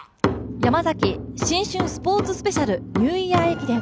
ヤマザキ新春スポ−ツスペシャルニューイヤー駅伝。